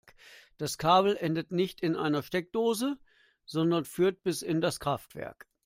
Das Kabel endet nicht in einer Steckdose, sondern führt bis in das Kraftwerk.